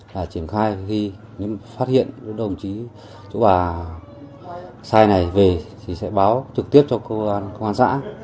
là triển khai khi phát hiện đồng chí chú bà sai này về thì sẽ báo trực tiếp cho công an xã